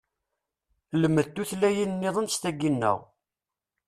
Lmed tutlayin nniḍen s tagi nneɣ!